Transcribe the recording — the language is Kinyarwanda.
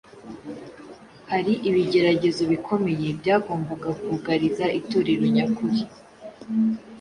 Hari ibigeragezo bikomeye byagombaga kugariza Itorero nyakuri.